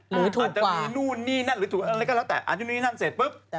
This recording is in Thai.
หรือถูกกว่าอาจจะมีนู่นนี่นั่นหรือถูกนี้อะไรก็แล้วแต่อาจจะมีนู้นนี่นั่นเสร็จปุ๊บ